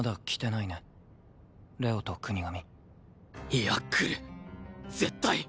いや来る絶対！